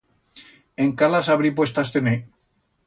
Encá las habrí puestas tener.